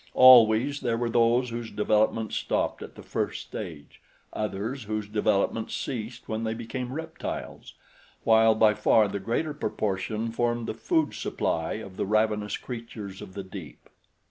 Always there were those whose development stopped at the first stage, others whose development ceased when they became reptiles, while by far the greater proportion formed the food supply of the ravenous creatures of the deep.